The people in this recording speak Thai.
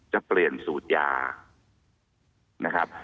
จะเปลี่ยนสูตรยา